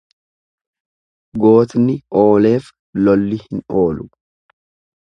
Gootni ooleef lolli hin oolu.